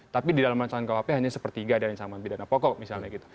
tapi di dalam rancangan kuhp hanya sepertiga ada ancaman pidana pokok misalnya gitu